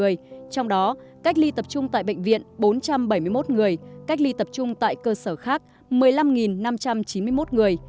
trong đó cách ly tập trung tại bệnh viện bốn trăm bảy mươi một người cách ly tập trung tại cơ sở khác một mươi năm năm trăm chín mươi một người